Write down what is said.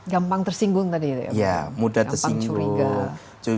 gampang tersinggung tadi ya mudah tersinggung